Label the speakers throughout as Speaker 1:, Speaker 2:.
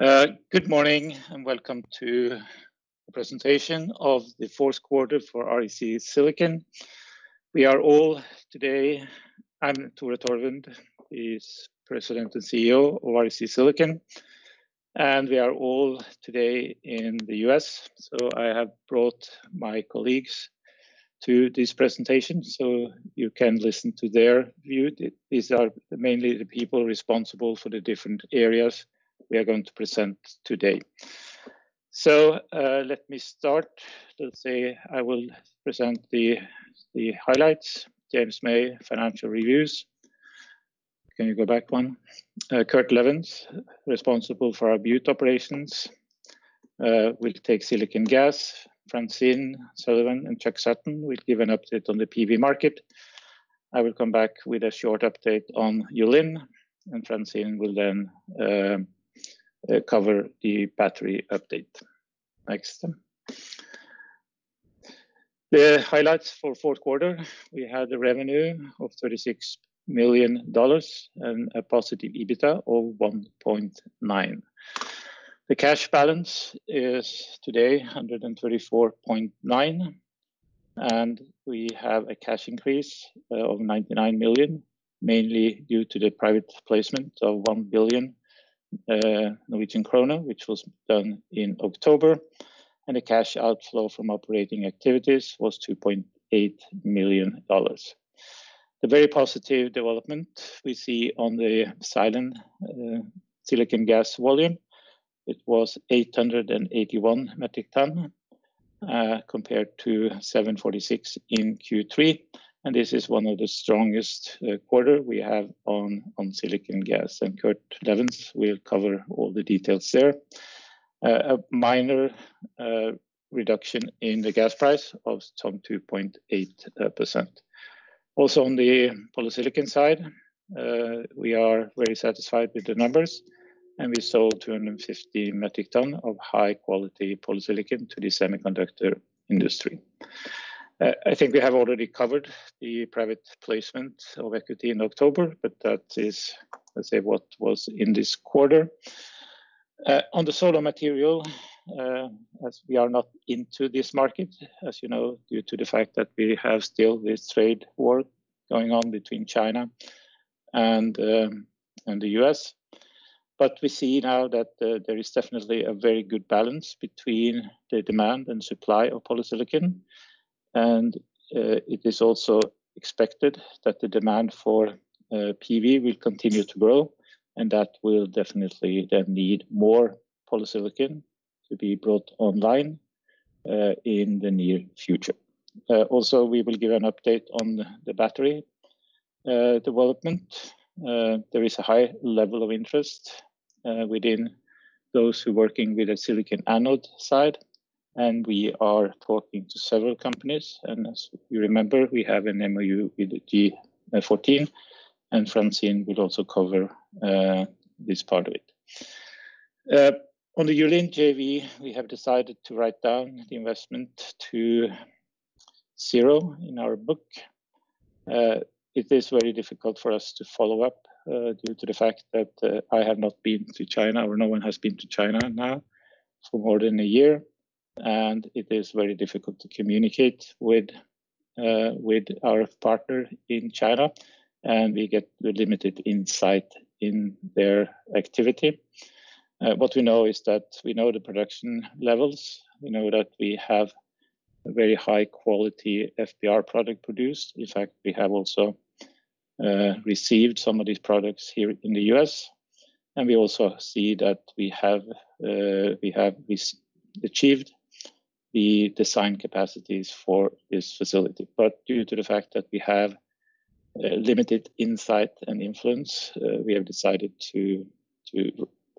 Speaker 1: Good morning, welcome to the presentation of the fourth quarter for REC Silicon. I'm Tore Torvund, the President and CEO of REC Silicon, and we are all today in the U.S., so I have brought my colleagues to this presentation so you can listen to their view. These are mainly the people responsible for the different areas we are going to present today. Let me start. Let's say I will present the highlights, James May, financial reviews. Can you go back one? Kurt Levens, responsible for our Butte Operations, will take silicon gas. Francine Sullivan and Chuck Sutton will give an update on the PV market. I will come back with a short update on Yulin, and Francine will then cover the battery update. Next. The highlights for fourth quarter, we had a revenue of $36 million and a positive EBITDA of $1.9. The cash balance is today $134.9 million. We have a cash increase of $99 million, mainly due to the private placement of $1 billion, which was done in October. The cash outflow from operating activities was $2.8 million. The very positive development we see on the silane silicon gas volume, it was 881 metric tons, compared to 746 metric tons in Q3. This is one of the strongest quarter we have on silicon gas. Kurt Levens will cover all the details there. A minor reduction in the gas price of some 2.8%. Also, on the polysilicon side, we are very satisfied with the numbers. We sold 250 metric tons of high-quality polysilicon to the semiconductor industry. I think we have already covered the private placement of equity in October. That is, let's say, what was in this quarter. On the solar material, as we are not into this market, as you know, due to the fact that we have still this trade war going on between China and the U.S. We see now that there is definitely a very good balance between the demand and supply of polysilicon. It is also expected that the demand for PV will continue to grow, and that will definitely then need more polysilicon to be brought online, in the near future. Also, we will give an update on the battery development. There is a high level of interest within those who are working with the silicon anode side, and we are talking to several companies. As you remember, we have an MoU with G14, and Francine will also cover this part of it. On the Yulin JV, we have decided to write down the investment to zero in our book. It is very difficult for us to follow up, due to the fact that I have not been to China, or no one has been to China now for more than one year, and it is very difficult to communicate with our partner in China, and we get limited insight in their activity. What we know is that we know the production levels. We know that we have a very high-quality FBR product produced. In fact, we have also received some of these products here in the U.S., and we also see that we have achieved the design capacities for this facility. Due to the fact that we have limited insight and influence, we have decided to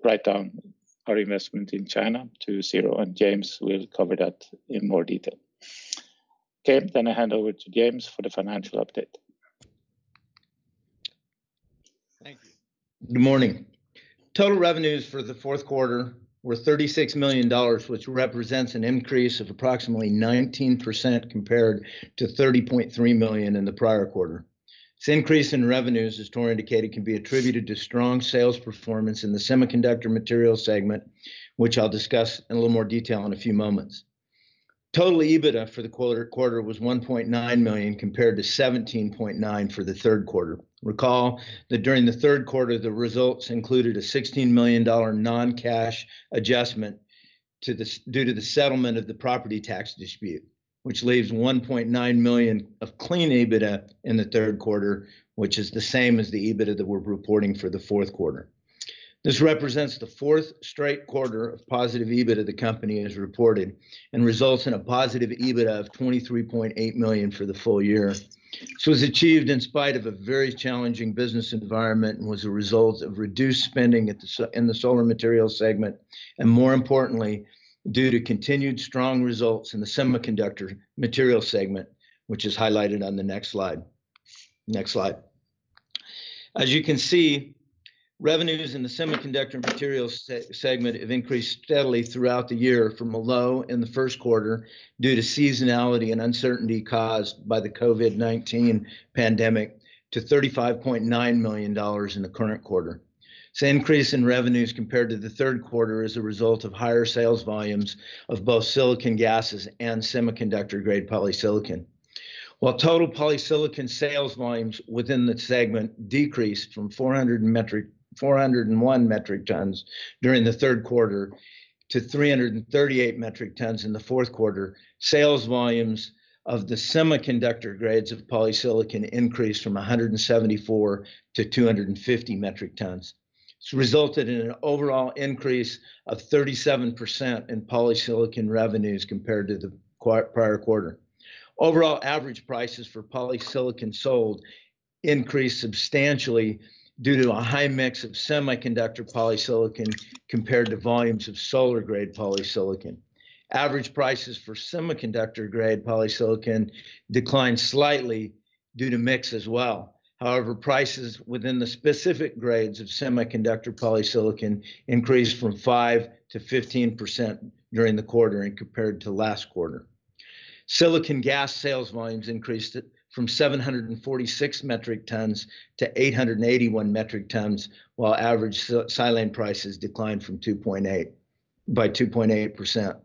Speaker 1: write down our investment in China to zero, and James will cover that in more detail. Okay, I hand over to James for the financial update.
Speaker 2: Thank you. Good morning. Total revenues for the fourth quarter were $36 million, which represents an increase of approximately 19% compared to $30.3 million in the prior quarter. This increase in revenues, as Tore indicated, can be attributed to strong sales performance in the Semiconductor Materials segment, which I'll discuss in a little more detail in a few moments. Total EBITDA for the quarter was $1.9 million, compared to $17.9 million for the third quarter. Recall that during the third quarter, the results included a $16 million non-cash adjustment due to the settlement of the property tax dispute, which leaves $1.9 million of clean EBITDA in the third quarter, which is the same as the EBITDA that we're reporting for the fourth quarter. This represents the fourth straight quarter of positive EBITDA the company has reported and results in a positive EBITDA of $23.8 million for the full year. This was achieved in spite of a very challenging business environment and was a result of reduced spending in the solar materials segment and, more importantly, due to continued strong results in the semiconductor materials segment, which is highlighted on the next slide. Next slide. As you can see, revenues in the semiconductor materials segment have increased steadily throughout the year from a low in the first quarter, due to seasonality and uncertainty caused by the COVID-19 pandemic, to $35.9 million in the current quarter. This increase in revenues compared to the third quarter is a result of higher sales volumes of both silicon gases and semiconductor-grade polysilicon. While total polysilicon sales volumes within the segment decreased from 401 metric tons during the third quarter to 338 metric tons in the fourth quarter, sales volumes of the semiconductor grades of polysilicon increased from 174 to 250 metric tons. This resulted in an overall increase of 37% in polysilicon revenues compared to the prior quarter. Overall average prices for polysilicon sold increased substantially due to a high mix of semiconductor polysilicon compared to volumes of solar grade polysilicon. Average prices for semiconductor grade polysilicon declined slightly due to mix as well. However, prices within the specific grades of semiconductor polysilicon increased from 5% to 15% during the quarter and compared to last quarter. Silicon gas sales volumes increased from 746 metric tons to 881 metric tons, while average silane prices declined by 2.8%.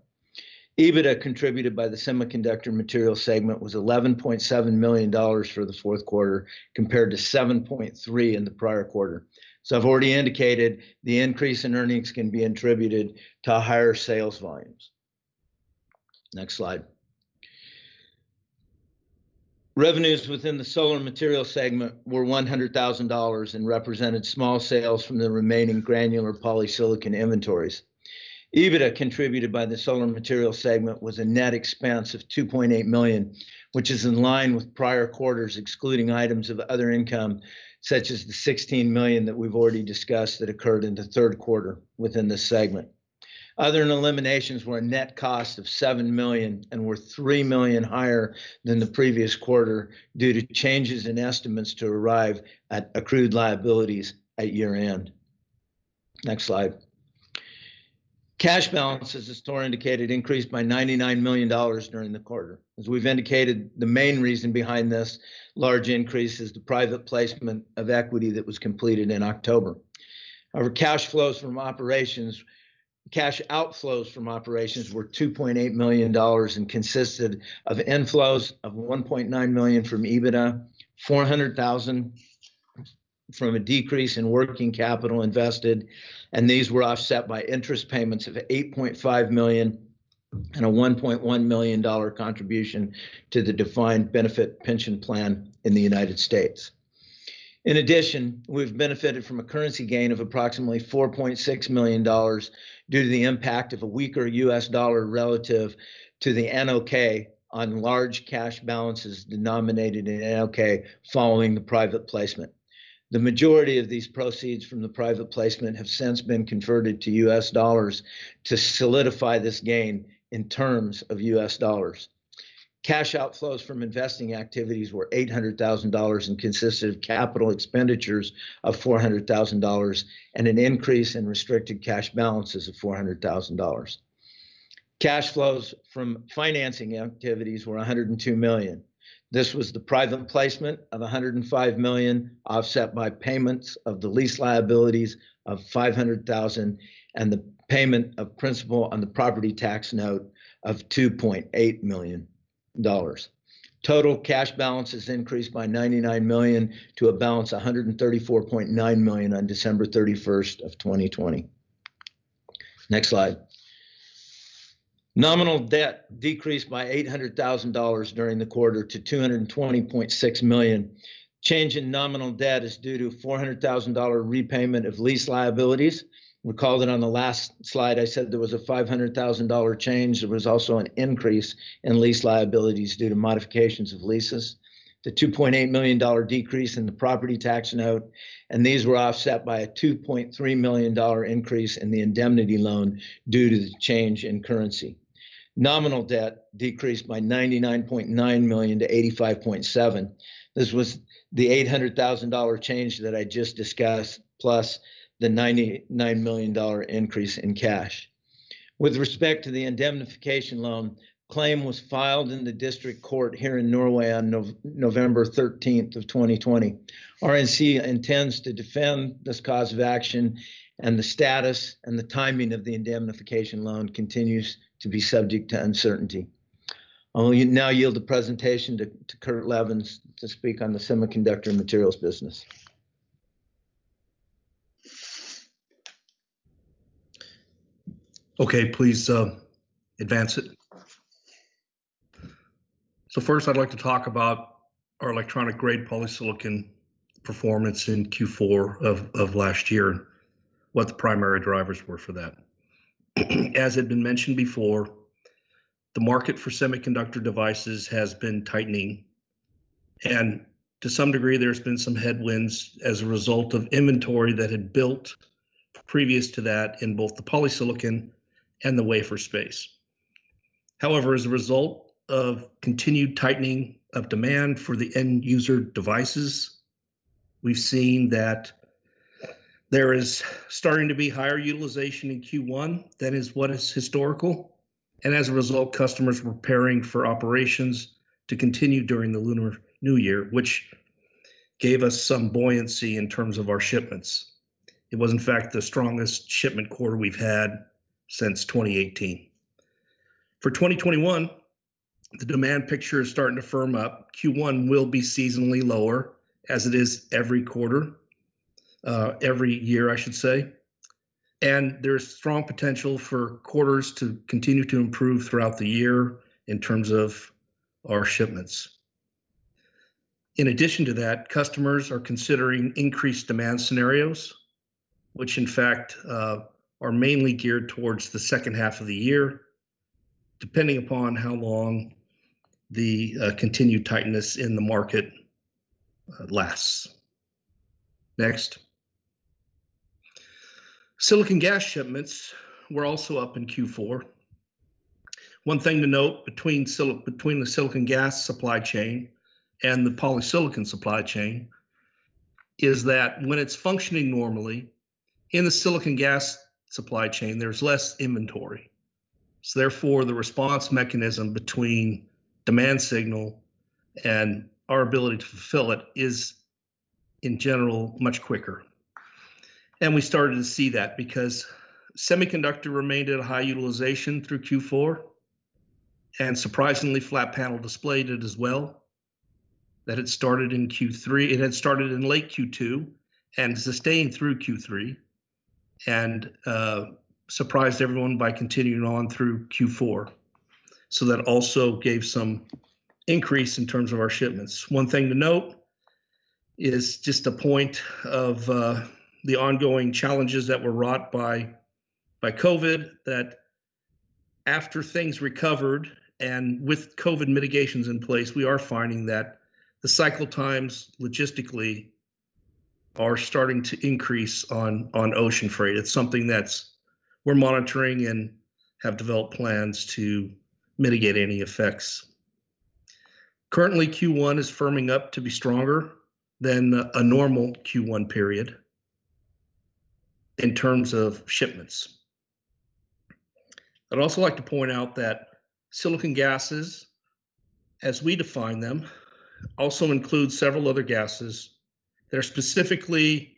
Speaker 2: EBITDA contributed by the Semiconductor Materials Segment was $11.7 million for the fourth quarter, compared to $7.3 in the prior quarter. As I've already indicated, the increase in earnings can be attributed to higher sales volumes. Next slide. Revenues within the Solar Materials Segment were $100,000 and represented small sales from the remaining granular polysilicon inventories. EBITDA contributed by the Solar Materials Segment was a net expense of $2.8 million, which is in line with prior quarters, excluding items of other income, such as the $16 million that we've already discussed that occurred in the third quarter within this segment. Other than eliminations were a net cost of $7 million and were $3 million higher than the previous quarter due to changes in estimates to arrive at accrued liabilities at year-end. Next slide. Cash balances, as Tore indicated, increased by $99 million during the quarter. As we've indicated, the main reason behind this large increase is the private placement of equity that was completed in October. However, cash outflows from operations were $2.8 million and consisted of inflows of $1.9 million from EBITDA, $400,000 from a decrease in working capital invested, and these were offset by interest payments of $8.5 million and a $1.1 million contribution to the defined benefit pension plan in the United States. In addition, we've benefited from a currency gain of approximately $4.6 million due to the impact of a weaker U.S. dollar relative to the NOK on large cash balances denominated in NOK following the private placement. The majority of these proceeds from the private placement have since been converted to U.S. dollars to solidify this gain in terms of U.S. dollars. Cash outflows from investing activities were $800,000 and consisted of capital expenditures of $400,000 and an increase in restricted cash balances of $400,000. Cash flows from financing activities were $102 million. This was the private placement of $105 million, offset by payments of the lease liabilities of $500,000 and the payment of principal on the property tax note of $2.8 million. Total cash balances increased by $99 million to a balance of $134.9 million on December 31st of 2020. Next slide. Nominal debt decreased by $800,000 during the quarter to $220.6 million. Change in nominal debt is due to a $400,000 repayment of lease liabilities. Recall that on the last slide, I said there was a $500,000 change. There was also an increase in lease liabilities due to modifications of leases. The $2.8 million decrease in the property tax note, these were offset by a $2.3 million increase in the indemnity loan due to the change in currency. Nominal debt decreased by $99.9 million to $85.7. This was the $800,000 change that I just discussed, plus the NOK 99 million increase in cash. With respect to the indemnification loan, claim was filed in the district court here in Norway on November 13th of 2020. REC intends to defend this cause of action, and the status and the timing of the indemnification loan continues to be subject to uncertainty. I will now yield the presentation to Kurt Levens to speak on the semiconductor materials business.
Speaker 3: Please advance it. First, I'd like to talk about our electronic-grade polysilicon performance in Q4 of last year, what the primary drivers were for that. As had been mentioned before, the market for semiconductor devices has been tightening, and to some degree, there's been some headwinds as a result of inventory that had built previous to that in both the polysilicon and the wafer space. However, as a result of continued tightening of demand for the end-user devices, we've seen that there is starting to be higher utilization in Q1 than is what is historical. As a result, customers were preparing for operations to continue during the Lunar New Year, which gave us some buoyancy in terms of our shipments. It was, in fact, the strongest shipment quarter we've had since 2018. For 2021, the demand picture is starting to firm up. Q1 will be seasonally lower, as it is every quarter, every year, I should say. There's strong potential for quarters to continue to improve throughout the year in terms of our shipments. In addition to that, customers are considering increased demand scenarios, which in fact are mainly geared towards the second half of the year, depending upon how long the continued tightness in the market lasts. Next. silicon gas shipments were also up in Q4. One thing to note between the silicon gas supply chain and the polysilicon supply chain is that when it's functioning normally, in the silicon gas supply chain, there's less inventory. Therefore, the response mechanism between demand signal and our ability to fulfill it is, in general, much quicker. We started to see that because semiconductor remained at a high utilization through Q4, and surprisingly, flat panel display did as well. That had started in late Q2 and sustained through Q3, and surprised everyone by continuing on through Q4. That also gave some increase in terms of our shipments. One thing to note is just a point of the ongoing challenges that were wrought by COVID-19, that after things recovered and with COVID-19 mitigations in place, we are finding that the cycle times logistically are starting to increase on ocean freight. It's something that we're monitoring and have developed plans to mitigate any effects. Currently, Q1 is firming up to be stronger than a normal Q1 period in terms of shipments. I'd also like to point out that silicon gases, as we define them, also include several other gases that are specifically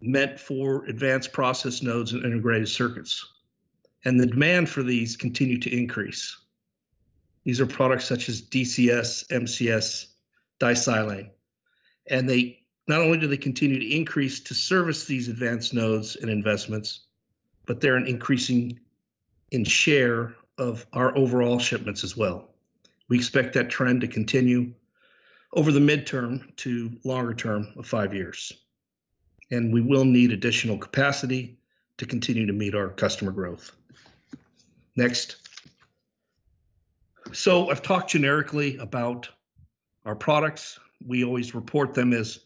Speaker 3: meant for advanced process nodes and integrated circuits, and the demand for these continue to increase. These are products such as DCS, MCS, Disilane. Not only do they continue to increase to service these advanced nodes and investments, but they're increasing in share of our overall shipments as well. We expect that trend to continue over the midterm to longer term of five years, and we will need additional capacity to continue to meet our customer growth. Next. I've talked generically about our products. We always report them as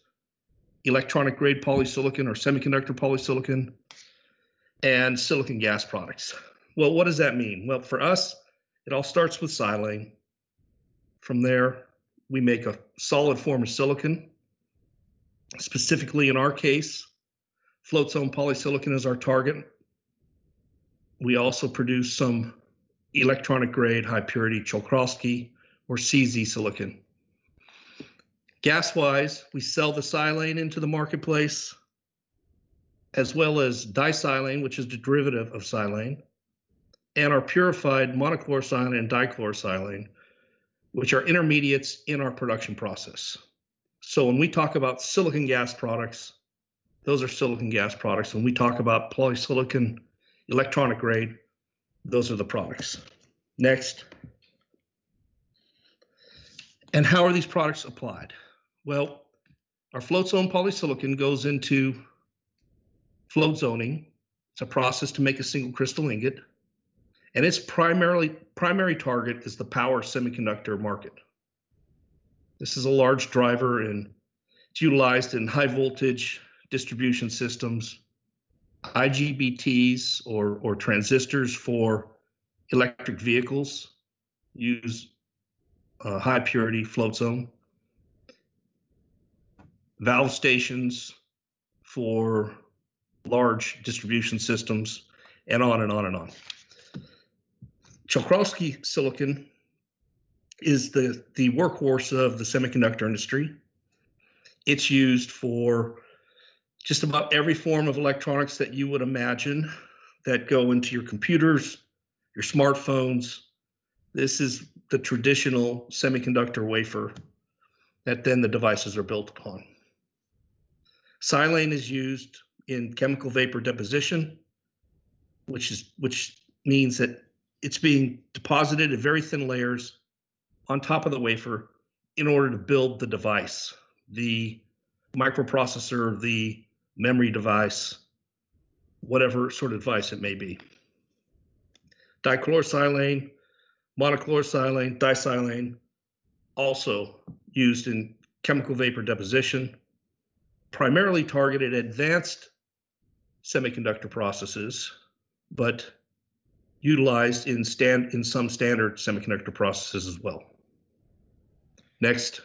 Speaker 3: electronic-grade polysilicon or semiconductor polysilicon, and silicon gas products. Well, what does that mean? Well, for us, it all starts with silane. From there, we make a solid form of silicon. Specifically, in our case, float zone polysilicon is our target. We also produce some electronic-grade high purity Czochralski or CZ silicon. Gas-wise, we sell the silane into the marketplace, as well as Disilane, which is a derivative of silane, and our purified monochlorosilane and dichlorosilane, which are intermediates in our production process. When we talk about silicon gas products, those are silicon gas products. When we talk about polysilicon electronic-grade, those are the products. Next. How are these products applied? Our float zone polysilicon goes into float zoning. It's a process to make a single crystal ingot, and its primary target is the power semiconductor market. This is a large driver, and it's utilized in high voltage distribution systems. IGBTs or transistors for electric vehicles use high purity float zone. Valve stations for large distribution systems, on and on and on. Czochralski silicon is the workhorse of the semiconductor industry. It's used for just about every form of electronics that you would imagine that go into your computers, your smartphones. This is the traditional semiconductor wafer that then the devices are built upon. Silane is used in chemical vapor deposition, which means that it's being deposited at very thin layers on top of the wafer in order to build the device, the microprocessor, the memory device, whatever sort of device it may be. Dichlorosilane, monochlorosilane, disilane, also used in chemical vapor deposition, primarily targeted advanced semiconductor processes, but utilized in some standard semiconductor processes as well. Next.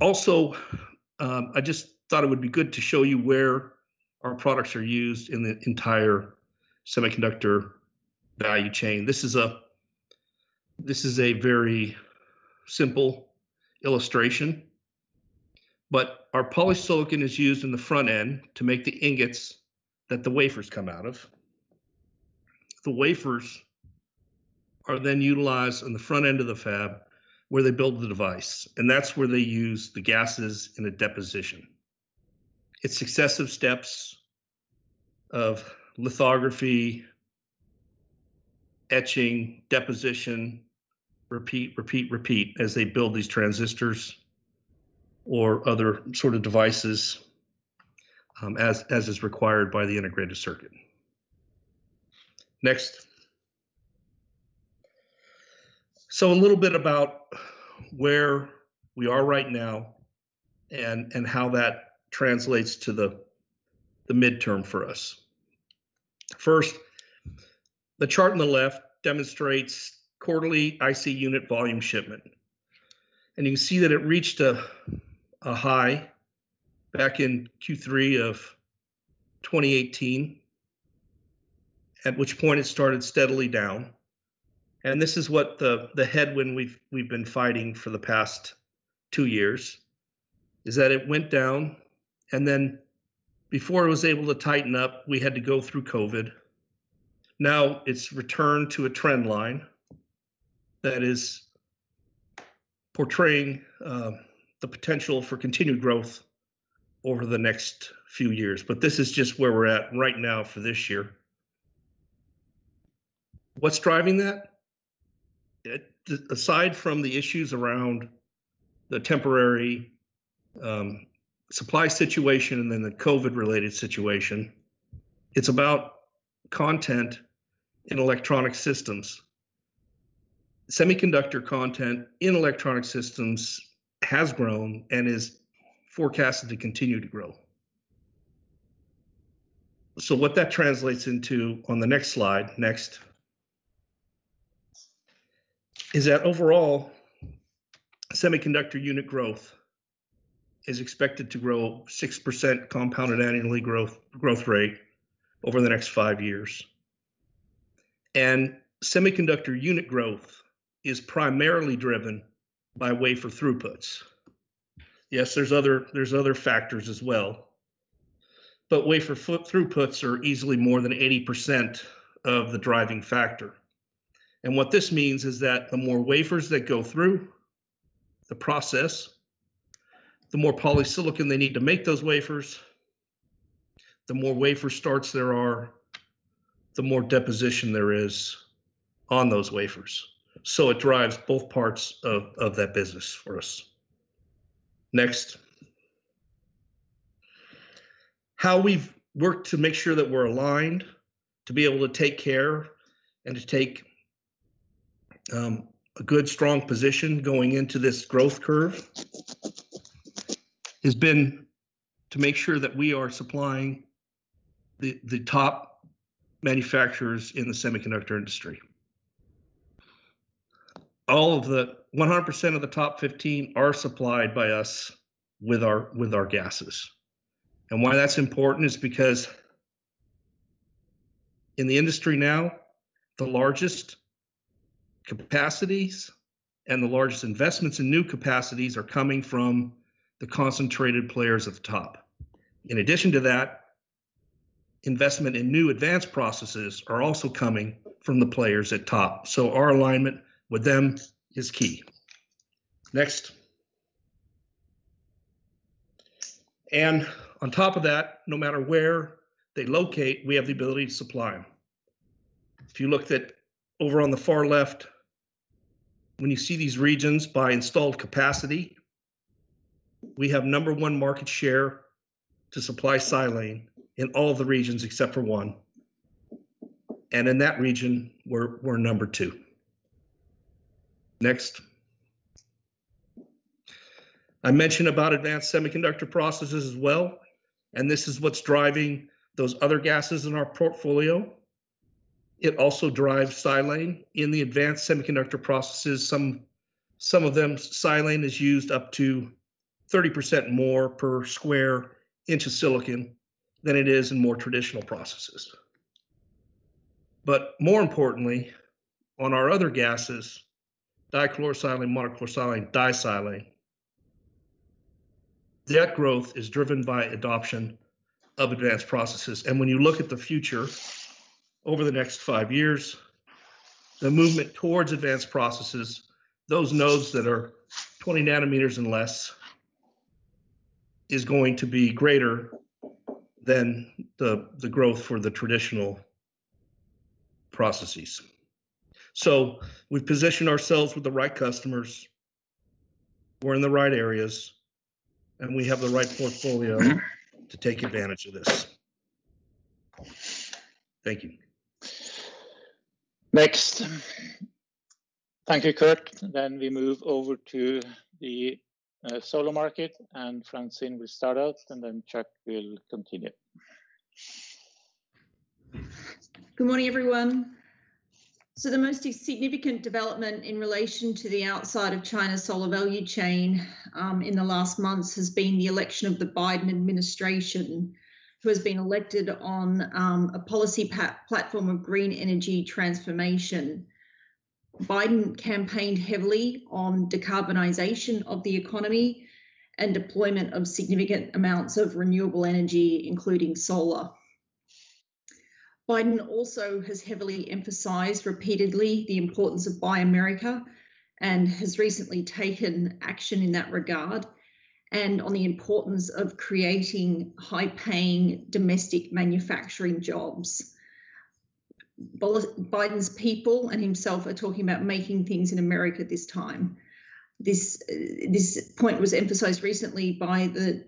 Speaker 3: Also, I just thought it would be good to show you where our products are used in the entire semiconductor value chain. This is a very simple illustration, but our polysilicon is used in the front end to make the ingots that the wafers come out of. The wafers are then utilized on the front end of the fab, where they build the device, and that's where they use the gases in a deposition. It's successive steps of lithography, etching, deposition, repeat, repeat as they build these transistors or other sort of devices, as is required by the integrated circuit. Next. A little bit about where we are right now and how that translates to the midterm for us. First, the chart on the left demonstrates quarterly IC unit volume shipment, and you can see that it reached a high back in Q3 of 2018, at which point it started steadily down. This is what the headwind we've been fighting for the past two years, is that it went down, and then before it was able to tighten up, we had to go through COVID. Now it's returned to a trend line that is portraying the potential for continued growth over the next few years. This is just where we're at right now for this year. What's driving that? Aside from the issues around the temporary supply situation and then the COVID-related situation, it's about content in electronic systems. Semiconductor content in electronic systems has grown and is forecasted to continue to grow. What that translates into on the next slide, next, is that overall, semiconductor unit growth is expected to grow 6% compounded annually growth rate over the next five years. Semiconductor unit growth is primarily driven by wafer throughputs. Yes, there's other factors as well, but wafer throughputs are easily more than 80% of the driving factor. What this means is that the more wafers that go through the process, the more polysilicon they need to make those wafers, the more wafer starts there are, the more deposition there is on those wafers. It drives both parts of that business for us. Next. How we've worked to make sure that we're aligned to be able to take care and to take a good, strong position going into this growth curve, has been to make sure that we are supplying the top manufacturers in the semiconductor industry. 100% of the top 15 are supplied by us with our gases. Why that's important is because in the industry now, the largest capacities and the largest investments in new capacities are coming from the concentrated players at the top. In addition to that, investment in new advanced processes are also coming from the players at top. Our alignment with them is key. Next. On top of that, no matter where they locate, we have the ability to supply them. If you looked at over on the far left, when you see these regions by installed capacity, we have number one market share to supply silane in all the regions except for one. In that region, we're number two. Next. I mentioned about advanced semiconductor processes as well, this is what's driving those other gases in our portfolio. It also drives silane in the advanced semiconductor processes. Some of them, silane is used up to 30% more per square inch of silicon than it is in more traditional processes. More importantly, on our other gases, dichlorosilane, monochlorosilane, Disilane, that growth is driven by adoption of advanced processes. When you look at the future, over the next five years, the movement towards advanced processes, those nodes that are 20 nanometers and less, is going to be greater than the growth for the traditional processes. We've positioned ourselves with the right customers, we're in the right areas, and we have the right portfolio to take advantage of this. Thank you.
Speaker 1: Next. Thank you, Kurt. We move over to the solar market, and Francine will start out, and then Chuck will continue.
Speaker 4: Good morning, everyone. The most significant development in relation to the outside of China solar value chain, in the last months has been the election of the Biden administration, who has been elected on a policy platform of green energy transformation. Biden campaigned heavily on decarbonization of the economy and deployment of significant amounts of renewable energy, including solar. Biden also has heavily emphasized repeatedly the importance of Buy America and has recently taken action in that regard, and on the importance of creating high-paying domestic manufacturing jobs. Biden's people and himself are talking about making things in America this time. This point was emphasized recently by the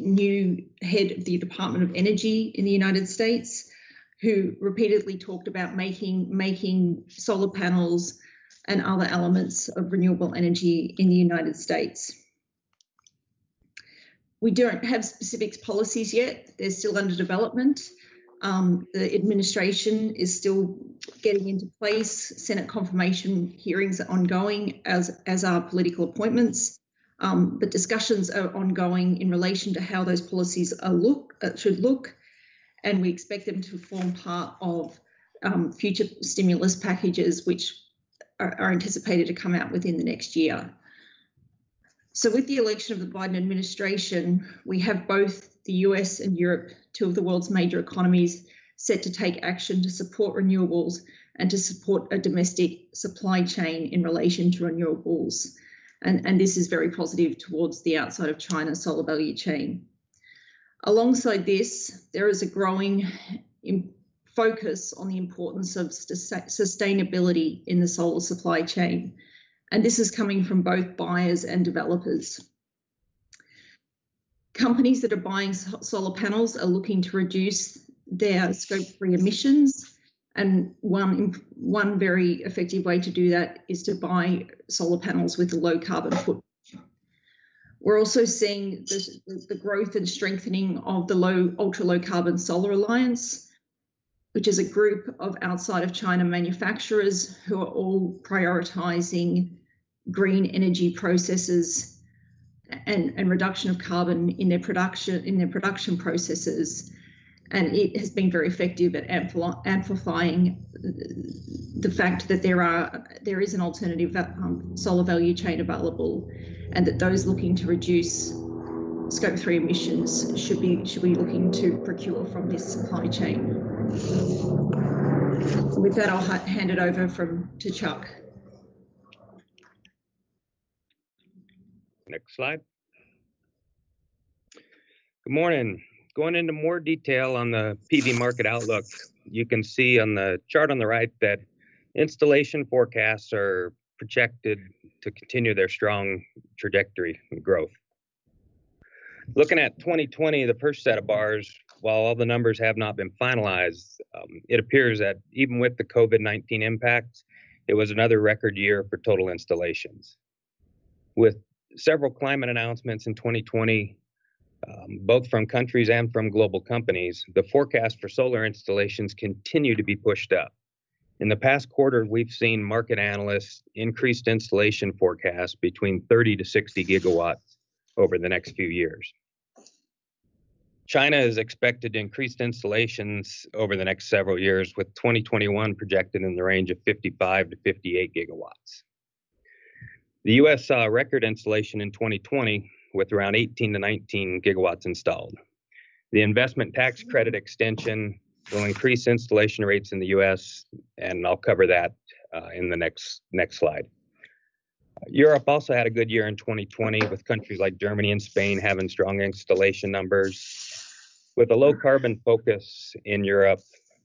Speaker 4: new head of the Department of Energy in the U.S., who repeatedly talked about making solar panels and other elements of renewable energy in the U.S. We don't have specific policies yet. They're still under development. The administration is still getting into place. Senate confirmation hearings are ongoing, as are political appointments. Discussions are ongoing in relation to how those policies should look, and we expect them to form part of future stimulus packages, which are anticipated to come out within the next year. With the election of the Biden administration, we have both the U.S. and Europe, two of the world's major economies, set to take action to support renewables and to support a domestic supply chain in relation to renewables. This is very positive towards the outside of China solar value chain. Alongside this, there is a growing focus on the importance of sustainability in the solar supply chain, and this is coming from both buyers and developers. Companies that are buying solar panels are looking to reduce their scope 3 emissions, and one very effective way to do that is to buy solar panels with a low carbon footprint. We're also seeing the growth and strengthening of the Ultra Low-Carbon Solar Alliance, which is a group of outside of China manufacturers who are all prioritizing green energy processes and reduction of carbon in their production processes. It has been very effective at amplifying the fact that there is an alternative solar value chain available, and that those looking to reduce scope 3 emissions should be looking to procure from this supply chain. With that, I'll hand it over to Chuck.
Speaker 5: Next slide. Good morning. Going into more detail on the PV market outlook, you can see on the chart on the right that installation forecasts are projected to continue their strong trajectory and growth. Looking at 2020, the first set of bars, while all the numbers have not been finalized, it appears that even with the COVID-19 impact, it was another record year for total installations. With several climate announcements in 2020, both from countries and from global companies, the forecast for solar installations continue to be pushed up. In the past quarter, we've seen market analysts increase installation forecasts between 30-60 GW over the next few years. China is expected increased installations over the next several years, with 2021 projected in the range of 55-58 GW. The U.S. saw a record installation in 2020 with around 18-19 GW installed. The investment tax credit extension will increase installation rates in the U.S. I'll cover that in the next slide. Europe also had a good year in 2020, with countries like Germany and Spain having strong installation numbers. With a low-carbon focus in Europe,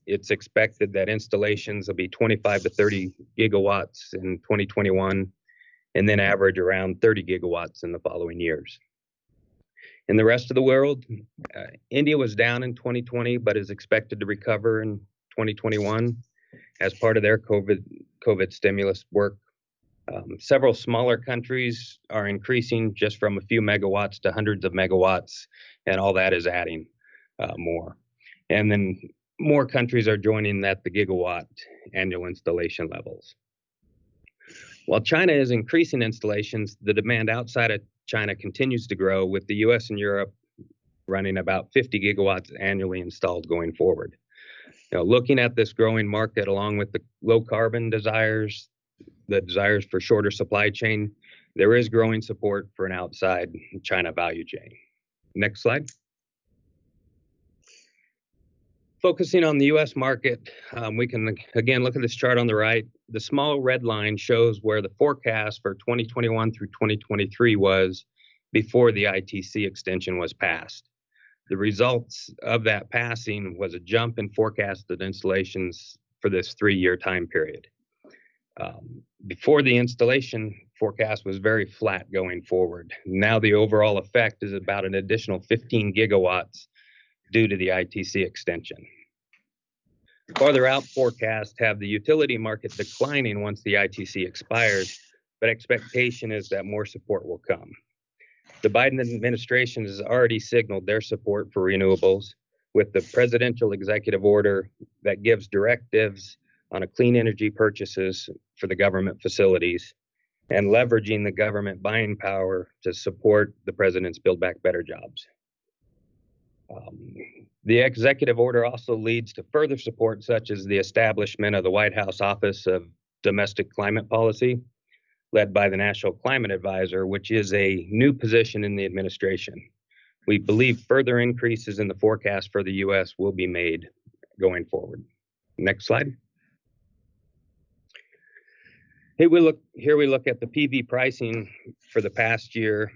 Speaker 5: it's expected that installations will be 25-30 GW in 2021, then average around 30 GW in the following years. In the rest of the world, India was down in 2020 is expected to recover in 2021 as part of their COVID-19 stimulus work. Several smaller countries are increasing just from a few megawatts to hundreds of megawatts. All that is adding more. More countries are joining at the gigawatt annual installation levels. While China is increasing installations, the demand outside of China continues to grow, with the U.S. and Europe running about 50 GW annually installed going forward. Now, looking at this growing market, along with the low carbon desires, the desires for shorter supply chain, there is growing support for an outside China value chain. Next slide. Focusing on the U.S. market, we can again look at this chart on the right. The small red line shows where the forecast for 2021 through 2023 was before the ITC extension was passed. The results of that passing was a jump in forecasted installations for this three-year time period. Before the installation, forecast was very flat going forward. Now the overall effect is about an additional 15 GW due to the ITC extension. Farther out forecasts have the utility market declining once the ITC expires, but expectation is that more support will come. The Biden administration has already signaled their support for renewables with the presidential executive order that gives directives on a clean energy purchases for the government facilities, and leveraging the government buying power to support the president's Build Back Better jobs. The executive order also leads to further support, such as the establishment of the White House Office of Domestic Climate Policy, led by the National Climate Advisor, which is a new position in the administration. We believe further increases in the forecast for the U.S. will be made going forward. Next slide. Here we look at the PV pricing for the past year.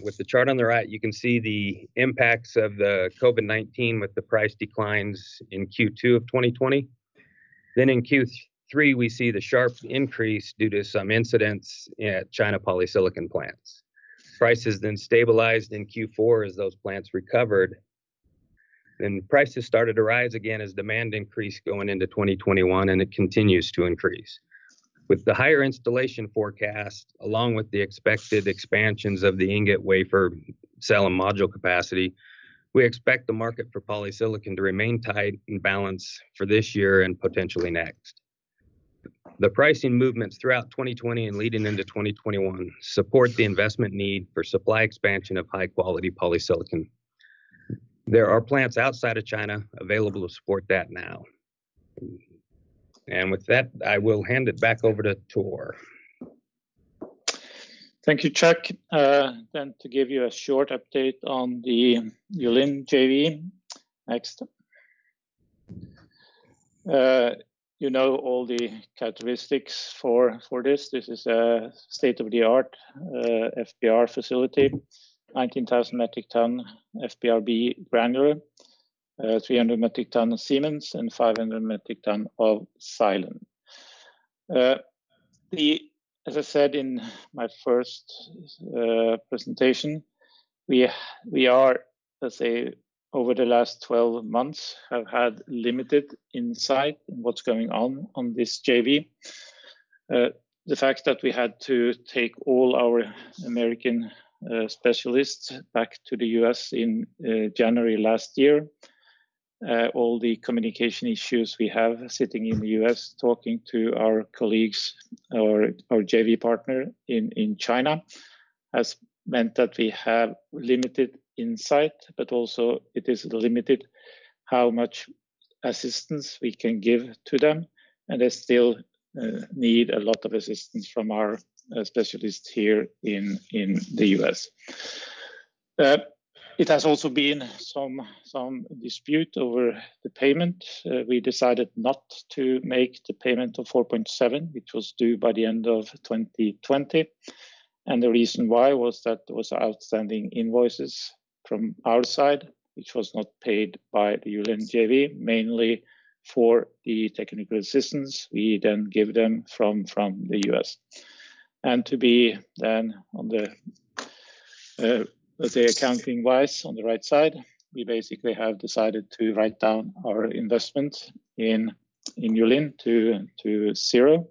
Speaker 5: With the chart on the right, you can see the impacts of the COVID-19 with the price declines in Q2 of 2020. In Q3, we see the sharp increase due to some incidents at China polysilicon plants. Prices stabilized in Q4 as those plants recovered. Prices started to rise again as demand increased going into 2021, and it continues to increase. With the higher installation forecast, along with the expected expansions of the ingot wafer cell and module capacity, we expect the market for polysilicon to remain tight and balanced for this year and potentially next. The pricing movements throughout 2020 and leading into 2021 support the investment need for supply expansion of high-quality polysilicon. There are plants outside of China available to support that now. With that, I will hand it back over to Tore.
Speaker 1: Thank you, Chuck. To give you a short update on the Yulin JV. Next. You know all the characteristics for this. This is a state-of-the-art FBR facility, 19,000 metric ton FBR-B granular, 300 metric ton Siemens, and 500 metric ton of silane. As I said in my first presentation, we are, let's say over the last 12 months, have had limited insight in what's going on on this JV. The fact that we had to take all our American specialists back to the U.S. in January last year. All the communication issues we have sitting in the U.S. talking to our colleagues, our JV partner in China, has meant that we have limited insight, but also it has limited how much assistance we can give to them, and they still need a lot of assistance from our specialists here in the U.S. It has also been some dispute over the payment. We decided not to make the payment of $4.7, which was due by the end of 2020. The reason why was that there was outstanding invoices from our side, which was not paid by the Yulin JV, mainly for the technical assistance we then give them from the U.S. To be then, accounting-wise, on the right side, we basically have decided to write down our investment in Yulin to zero.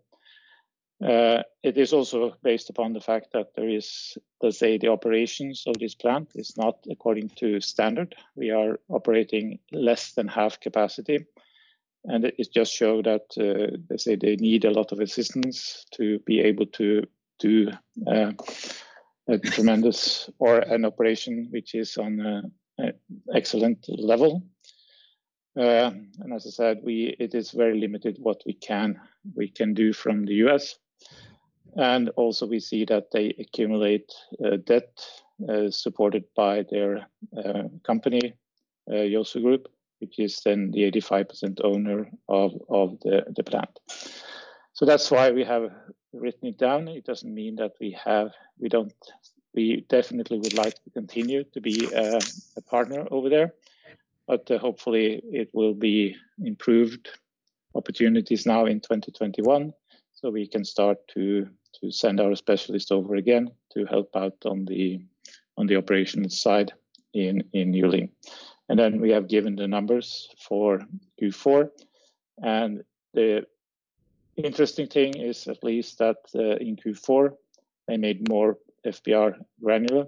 Speaker 1: It is also based upon the fact that there is, let's say, the operations of this plant is not according to standard. We are operating less than half capacity, and it just show that, let's say they need a lot of assistance to be able to do a tremendous or an operation which is on an excellent level. As I said, it is very limited what we can do from the U.S. Also we see that they accumulate debt, supported by their company, Youser Group, which is then the 85% owner of the plant. That's why we have written it down. It doesn't mean that we definitely would like to continue to be a partner over there. Hopefully it will be improved opportunities now in 2021, so we can start to send our specialists over again to help out on the operations side in Yulin. Then we have given the numbers for Q4. The interesting thing is at least that, in Q4, they made more FBR granular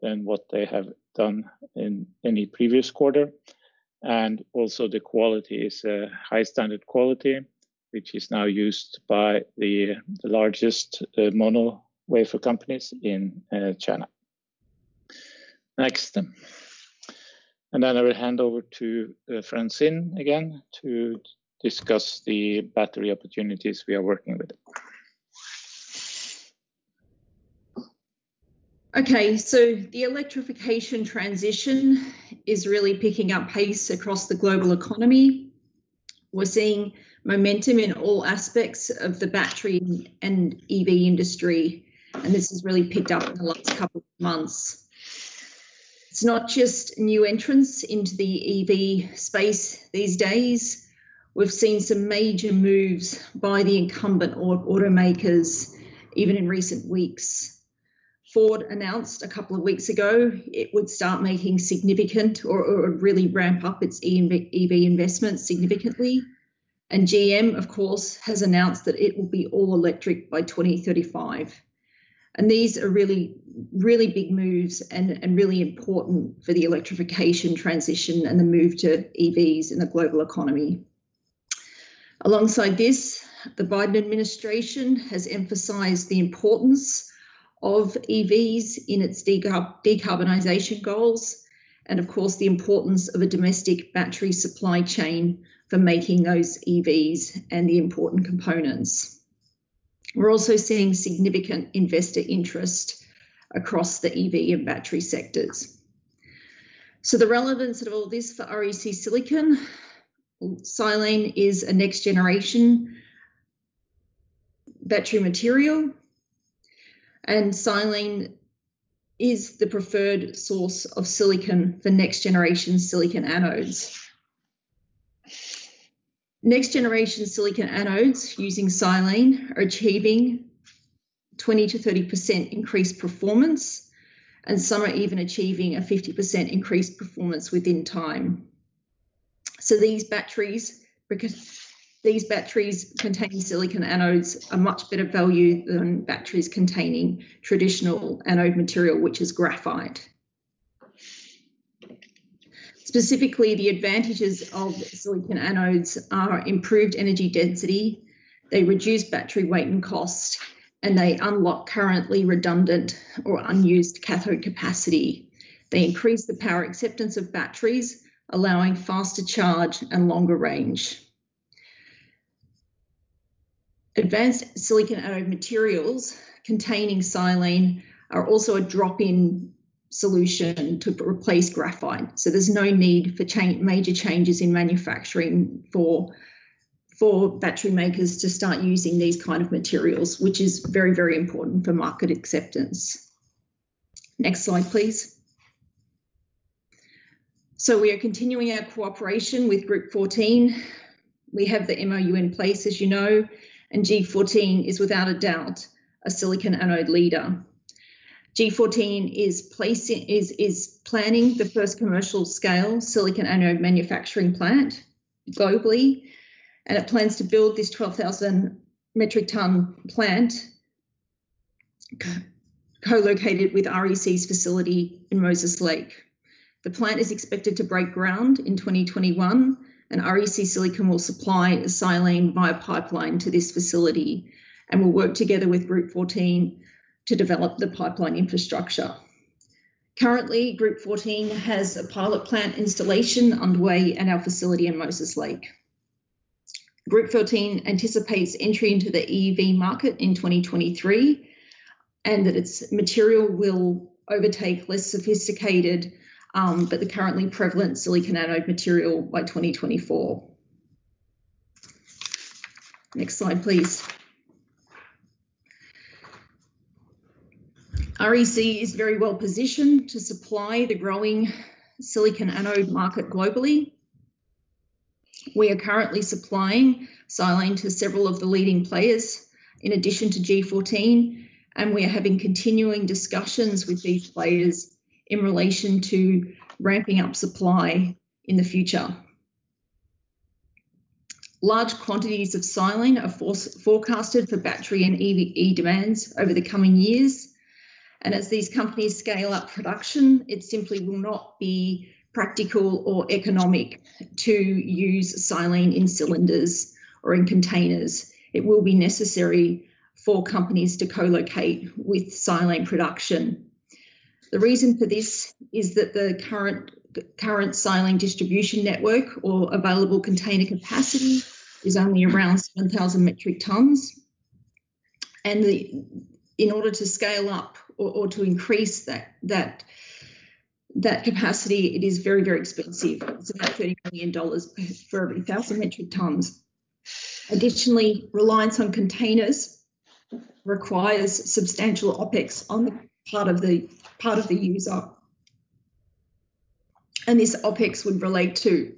Speaker 1: than what they have done in any previous quarter. Also the quality is a high standard quality, which is now used by the largest mono wafer companies in China. Next. I will hand over to Francine again to discuss the battery opportunities we are working with.
Speaker 4: Okay, the electrification transition is really picking up pace across the global economy. We're seeing momentum in all aspects of the battery and EV industry. This has really picked up in the last couple of months. It's not just new entrants into the EV space these days. We've seen some major moves by the incumbent automakers, even in recent weeks. Ford announced a couple of weeks ago it would really ramp up its EV investment significantly. GM, of course, has announced that it will be all electric by 2035. These are really big moves and really important for the electrification transition and the move to EVs in the global economy. Alongside this, the Biden administration has emphasized the importance of EVs in its decarbonization goals, of course, the importance of a domestic battery supply chain for making those EVs and the important components. We're also seeing significant investor interest across the EV and battery sectors. The relevance of all this for REC Silicon, silane is a next generation battery material, silane is the preferred source of silicon for next generation silicon anodes. Next generation silicon anodes using silane are achieving 20%-30% increased performance, some are even achieving a 50% increased performance within time. These batteries containing silicon anodes are much better value than batteries containing traditional anode material, which is graphite. Specifically, the advantages of silicon anodes are improved energy density, they reduce battery weight and cost, they unlock currently redundant or unused cathode capacity. They increase the power acceptance of batteries, allowing faster charge and longer range. Advanced silicon anode materials containing silane are also a drop-in solution to replace graphite. There's no need for major changes in manufacturing for battery makers to start using these kind of materials, which is very important for market acceptance. Next slide, please. We are continuing our cooperation with Group14. We have the MoU in place, as you know, and G14 is without a doubt a silicon anode leader. G14 is planning the first commercial scale silicon anode manufacturing plant globally, and it plans to build this 12,000 metric ton plant co-located with REC's facility in Moses Lake. The plant is expected to break ground in 2021, and REC Silicon will supply silane via pipeline to this facility and will work together with Group14 to develop the pipeline infrastructure. Currently, Group14 has a pilot plant installation underway in our facility in Moses Lake. Group14 anticipates entry into the EV market in 2023, and that its material will overtake less sophisticated but the currently prevalent silicon anode material by 2024. Next slide, please. REC is very well positioned to supply the growing silicon anode market globally. We are currently supplying silane to several of the leading players in addition to G14, and we are having continuing discussions with these players in relation to ramping up supply in the future. Large quantities of silane are forecasted for battery and EV demands over the coming years, and as these companies scale up production, it simply will not be practical or economic to use silane in cylinders or in containers. It will be necessary for companies to co-locate with silane production. The reason for this is that the current silane distribution network or available container capacity is only around 7,000 metric tons. In order to scale up or to increase that capacity, it is very expensive. It's about $30 million for 1,000 metric tons. Additionally, reliance on containers requires substantial OPEX on the part of the user. This OPEX would relate to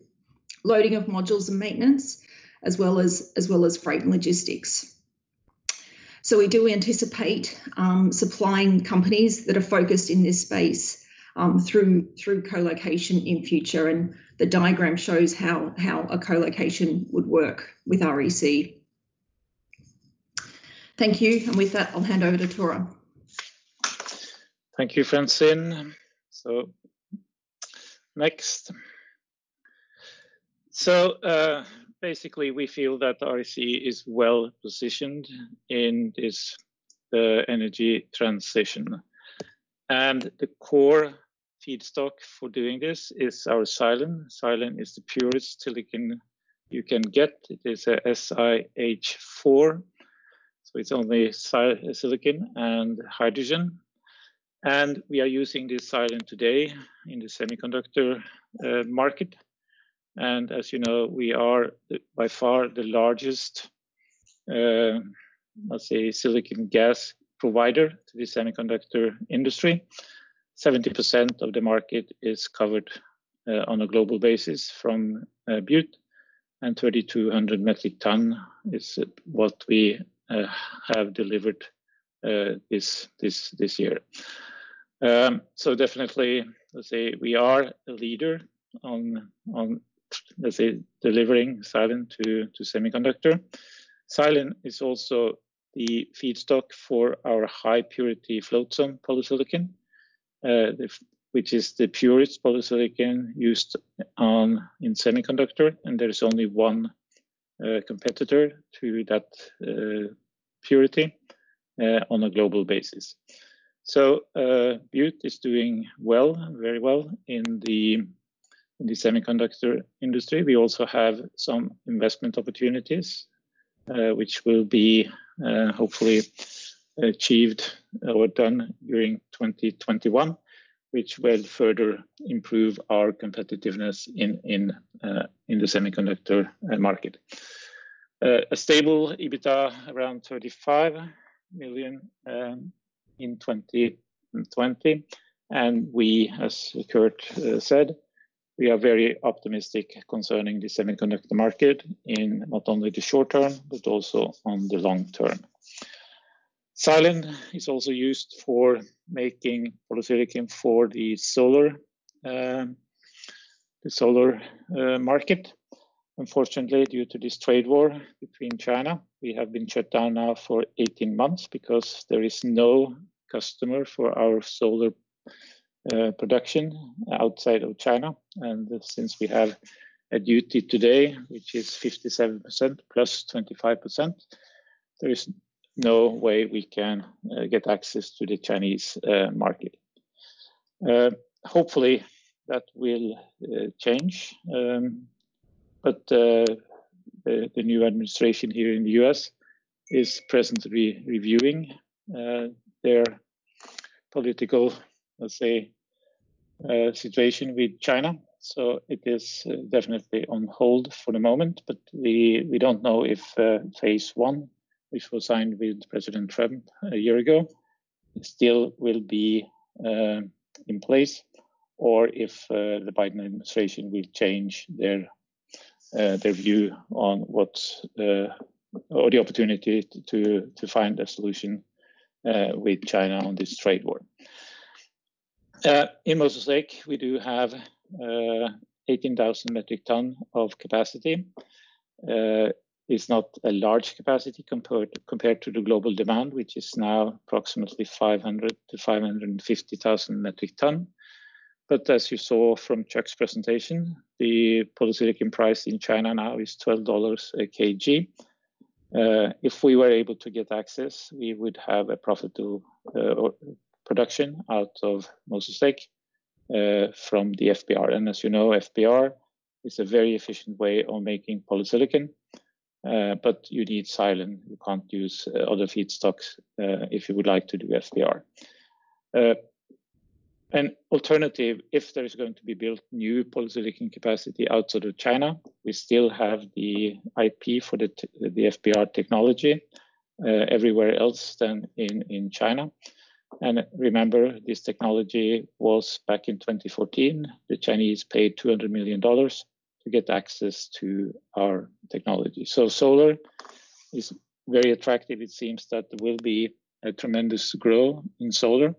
Speaker 4: loading of modules and maintenance, as well as freight and logistics. We do anticipate supplying companies that are focused in this space through co-location in future, and the diagram shows how a co-location would work with REC. Thank you. With that, I'll hand over to Tore.
Speaker 1: Thank you, Francine. Next. Basically, we feel that REC is well-positioned in this energy transition. The core feedstock for doing this is our silane. Silane is the purest silicon you can get. It is a SiH4, it's only silicon and hydrogen. We are using this silane today in the semiconductor market. As you know, we are by far the largest silicon gas provider to the semiconductor industry. 70% of the market is covered on a global basis from Butte, 3,200 metric ton is what we have delivered this year. Definitely, we are a leader on delivering silane to semiconductor. Silane is also the feedstock for our high-purity float-zone polysilicon, which is the purest polysilicon used in semiconductor, there is only one competitor to that purity on a global basis. Butte is doing well, very well in the semiconductor industry. We also have some investment opportunities, which will be hopefully achieved or done during 2021, which will further improve our competitiveness in the semiconductor market. A stable EBITDA around $35 million in 2020, we, as Kurt said, we are very optimistic concerning the semiconductor market in not only the short term but also on the long term. Silane is also used for making polysilicon for the solar market. Unfortunately, due to this trade war between China, we have been shut down now for 18 months because there is no customer for our solar production outside of China. Since we have a duty today, which is 57% plus 25%, there is no way we can get access to the Chinese market. Hopefully, that will change. The new administration here in the U.S. is presently reviewing their political, let's say, situation with China. It is definitely on hold for the moment, but we don't know if Phase I, which was signed with President Trump a year ago, still will be in place or if the Biden administration will change their view on what the opportunity to find a solution with China on this trade war. In Moses Lake, we do have 18,000 metric tons of capacity. It's not a large capacity compared to the global demand, which is now approximately 500,000 to 550,000 metric tons. As you saw from Chuck's presentation, the polysilicon price in China now is $12 a Kg. If we were able to get access, we would have a profitable production out of Moses Lake from the FBR. As you know, FBR is a very efficient way of making polysilicon, but you need silane. You can't use other feedstocks if you would like to do FBR. An alternative, if there is going to be built new polysilicon capacity outside of China, we still have the IP for the FBR technology everywhere else than in China. Remember, this technology was back in 2014, the Chinese paid $200 million to get access to our technology. Solar is very attractive. It seems that there will be a tremendous growth in solar,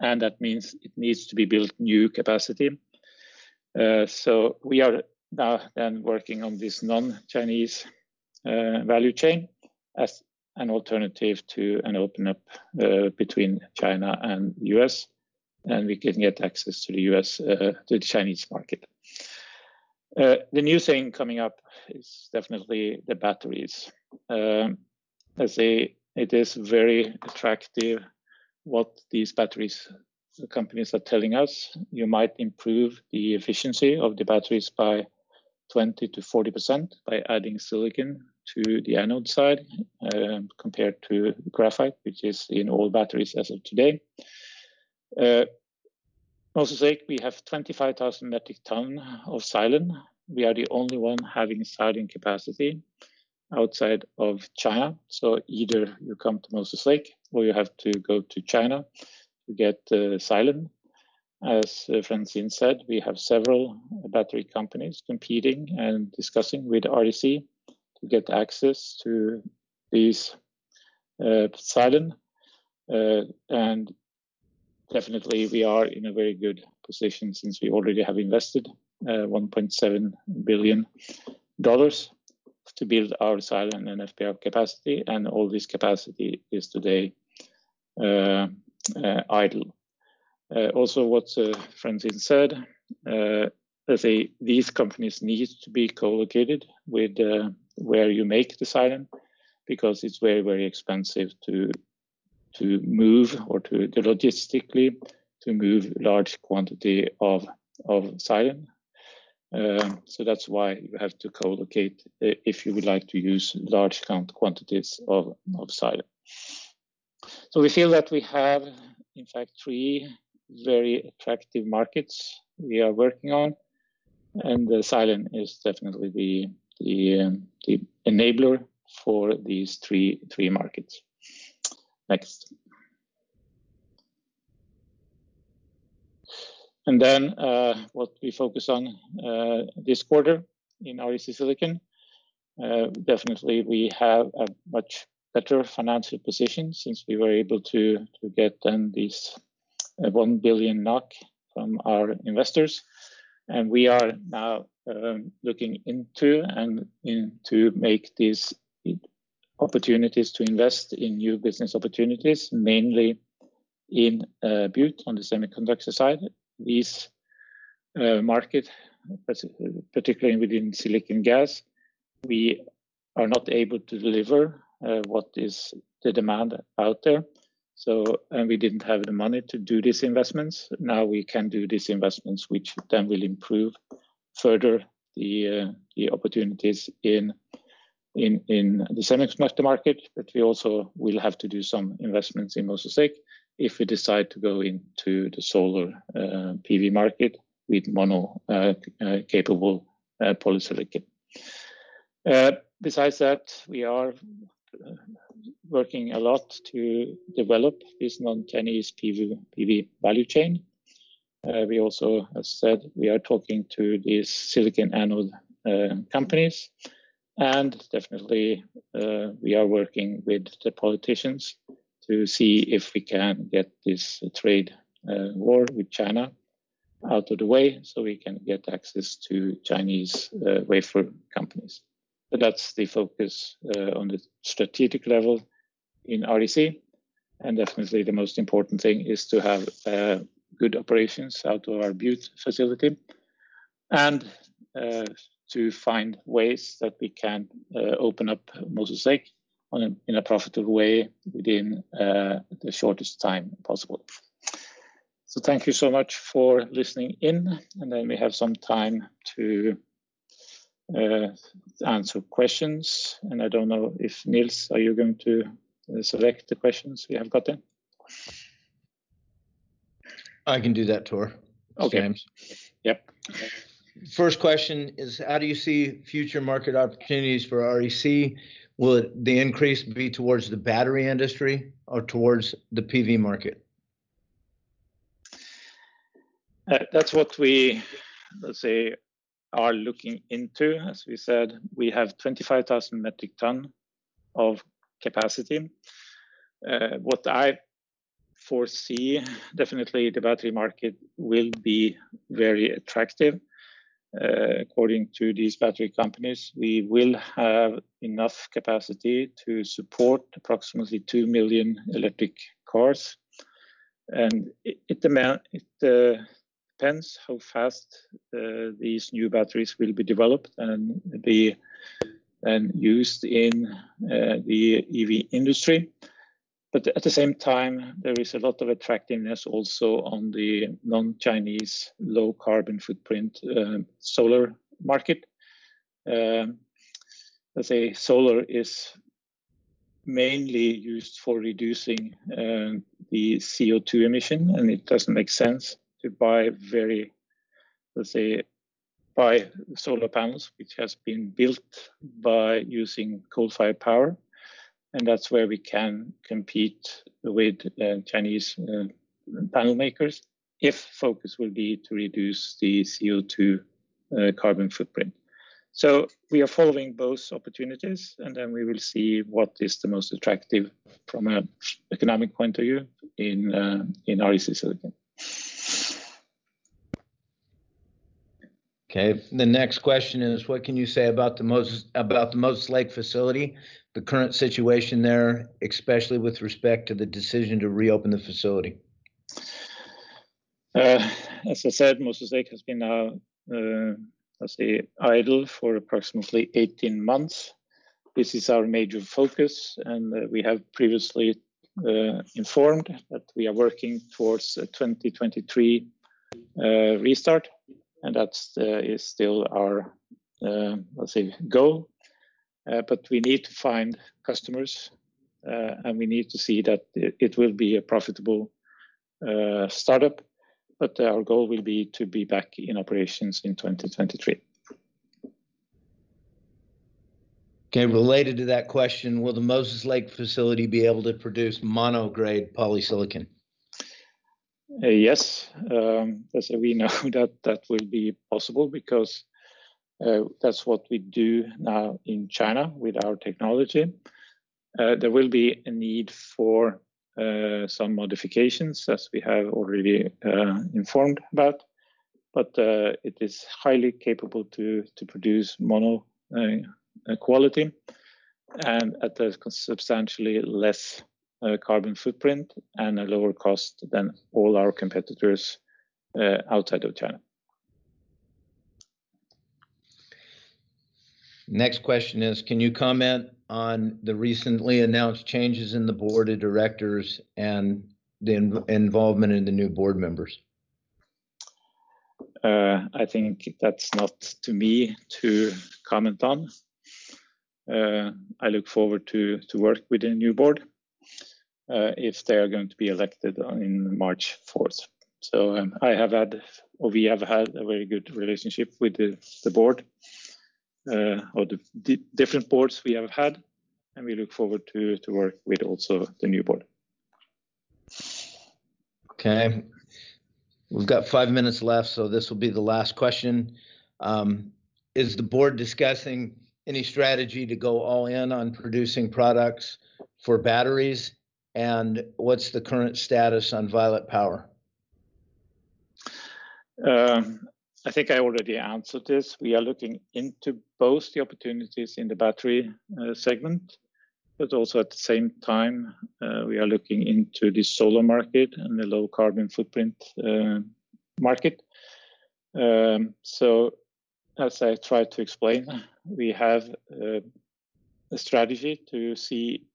Speaker 1: and that means it needs to be built new capacity. We are now then working on this non-Chinese value chain as an alternative to an open up between China and U.S., and we can get access to the Chinese market. The new thing coming up is definitely the batteries. Let's say it is very attractive what these batteries companies are telling us. You might improve the efficiency of the batteries by 20% to 40% by adding silicon to the anode side compared to graphite, which is in all batteries as of today. Moses Lake, we have 25,000 metric ton of silane. We are the only one having silane capacity outside of China. Either you come to Moses Lake or you have to go to China to get silane. As Francine said, we have several battery companies competing and discussing with REC to get access to this silane. Definitely we are in a very good position since we already have invested $1.7 billion to build our silane and FBR capacity, and all this capacity is today idle. Also what Francine said, let's say these companies need to be co-located with where you make the silane because it's very, very expensive to move or logistically to move large quantity of silane. We feel that we have, in fact, three very attractive markets we are working on, and the silane is definitely the enabler for these three markets. Next. What we focus on this quarter in REC Silicon, definitely we have a much better financial position since we were able to get then this 1 billion NOK from our investors. We are now looking into and to make these opportunities to invest in new business opportunities, mainly in Butte on the semiconductor side. This market, particularly within silicon gas, we are not able to deliver what is the demand out there. We didn't have the money to do these investments. We can do these investments, which then will improve further the opportunities in the semiconductor market. We also will have to do some investments in Moses Lake if we decide to go into the solar PV market with mono-capable polysilicon. Besides that, we are working a lot to develop this non-Chinese PV value chain. We also have said we are talking to these silicon anode companies, and definitely we are working with the politicians to see if we can get this trade war with China out of the way so we can get access to Chinese wafer companies. That's the focus on the strategic level in REC, and definitely the most important thing is to have good operations out of our Butte facility and to find ways that we can open up Moses Lake in a profitable way within the shortest time possible. Thank you so much for listening in, and then we have some time to answer questions. I don't know if, Nils, are you going to select the questions we have gotten?
Speaker 2: I can do that, Tore.
Speaker 1: Okay. James.
Speaker 2: First question is, how do you see future market opportunities for REC? Will the increase be towards the battery industry or towards the PV market?
Speaker 1: That's what we, let's say, are looking into. As we said, we have 25,000 metric tons of capacity. What I foresee, definitely the battery market will be very attractive. According to these battery companies, we will have enough capacity to support approximately 2 million electric cars. It depends how fast these new batteries will be developed and be then used in the EV industry. At the same time, there is a lot of attractiveness also on the non-Chinese, low-carbon footprint solar market. Solar is mainly used for reducing the CO2 emission, and it doesn't make sense to, let's say, buy solar panels, which has been built by using coal-fired power, and that's where we can compete with Chinese panel makers if focus will be to reduce the CO2 carbon footprint. We are following both opportunities, and then we will see what is the most attractive from an economic point of view in REC Silicon.
Speaker 2: Okay. The next question is, what can you say about the Moses Lake facility, the current situation there, especially with respect to the decision to reopen the facility?
Speaker 1: As I said, Moses Lake has been now, let's say, idle for approximately 18 months. We have previously informed that we are working towards a 2023 restart. That is still our, let's say, goal. We need to find customers. We need to see that it will be a profitable startup. Our goal will be to be back in operations in 2023.
Speaker 2: Okay. Related to that question, will the Moses Lake facility be able to produce mono-grade polysilicon?
Speaker 1: Yes. We know that that will be possible because that's what we do now in China with our technology. There will be a need for some modifications as we have already informed about, it is highly capable to produce mono quality and at a substantially less carbon footprint and a lower cost than all our competitors outside of China.
Speaker 2: Next question is, can you comment on the recently announced changes in the board of directors and the involvement in the new board members?
Speaker 1: I think that's not to me to comment on. I look forward to work with the new board if they are going to be elected on March 4th. I have had, or we have had a very good relationship with the board, or the different boards we have had, and we look forward to work with also the new board.
Speaker 2: Okay. We've got five minutes left, so this will be the last question. Is the board discussing any strategy to go all in on producing products for batteries? What's the current status on Violet Power?
Speaker 1: I think I already answered this. We are looking into both the opportunities in the battery segment, but also at the same time, we are looking into the solar market and the low carbon footprint market. As I tried to explain, we have a strategy to see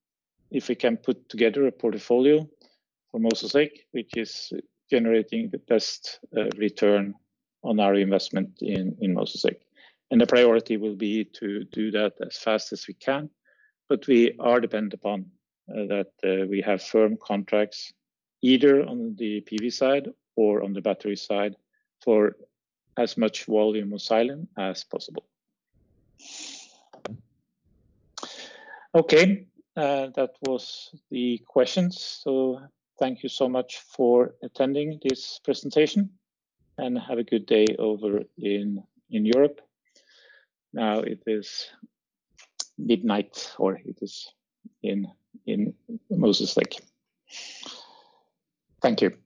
Speaker 1: if we can put together a portfolio for Moses Lake, which is generating the best return on our investment in Moses Lake. The priority will be to do that as fast as we can. We are dependent upon that we have firm contracts, either on the PV side or on the battery side, for as much volume of silicon as possible. Okay. That was the questions. Thank you so much for attending this presentation, and have a good day over in Europe. Now it is midnight, or it is in Moses Lake. Thank you.